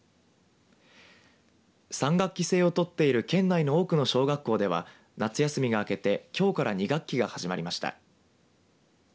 ３学期制を取っている県内の多くの小学校では夏休みが明けてきょうから２学期が始まりました。